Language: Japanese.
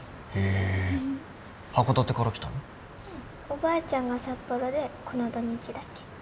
おばあちゃんが札幌でこの土日だけ。